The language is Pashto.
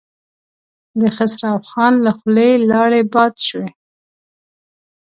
د خسرو خان له خولې لاړې باد شوې.